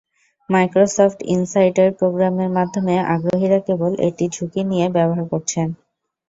Microsoft Insider প্রোগ্রামের মাধ্যমে আগ্রহীরা কেবল এটি ঝুঁকি নিয়ে ব্যবহার করছেন।